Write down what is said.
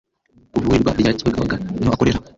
kuvurirwa rya kibagagabaga niho akorera